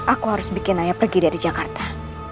aku harus bikin ayah pergi dari jakarta